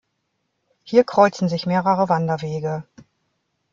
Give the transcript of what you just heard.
Hier kreuzen sich mehrere Wanderwege.